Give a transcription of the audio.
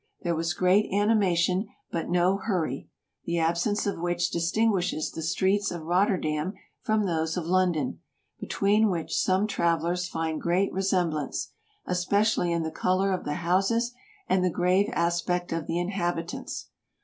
There was great animation, but no hurry, the absence of which distinguishes the streets of Rot terdam from those of London, between which some travel ers find great resemblance, especially in the color of the houses and the grave aspect of the inhabitants.